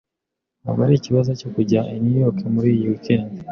Ntabwo ari ikibazo cyo kujya i New York muri iyi weekend.